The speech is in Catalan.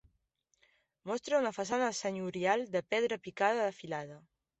Mostra una façana senyorial de pedra picada de filada.